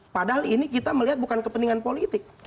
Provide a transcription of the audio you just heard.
padahal ini kita melihat bukan kepentingan politik